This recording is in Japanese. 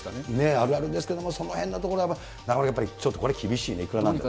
あるあるですけれども、そのへんのところは中丸君、ちょっとこれ、厳しいね、いくらなんでもね。